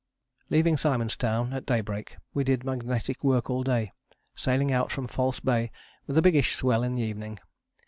Leaving Simon's Town at daybreak we did magnetic work all day, sailing out from False Bay with a biggish swell in the evening.